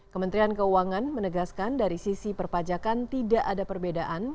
kementerian keuangan menegaskan dari sisi perpajakan tidak ada perbedaan